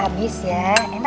kami pueblo yang tak cerdik